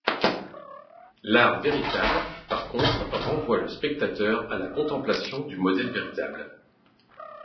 L'art véritable, par contre, renvoie le spectateur à la contemplation du modèle véritable.